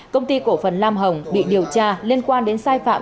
công ty cổ phần lam hồng bị điều tra liên quan đến sai phạm